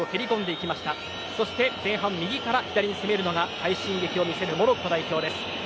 そして前半右から左に攻めるのが快進撃を見せるモロッコです。